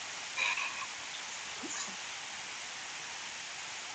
Tytherington Wood forms part of Macclesfield Riverside Park.